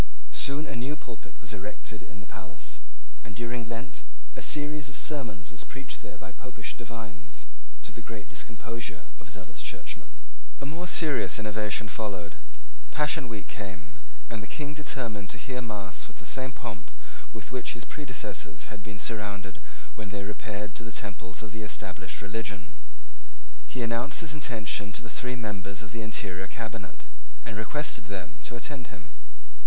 Soon a new pulpit was erected in the palace; and, during Lent, a series of sermons was preached there by Popish divines, to the great discomposure of zealous churchmen. A more serious innovation followed. Passion week came; and the King determined to hear mass with the same pomp with which his predecessors had been surrounded when they repaired to the temples of the established religion. He announced his intention to the three members of the interior cabinet, and requested them to attend him.